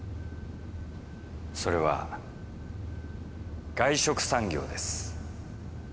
それは外食産業です。